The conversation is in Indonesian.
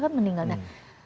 akan meninggal nah